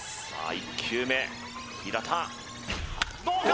１球目平田どうか！？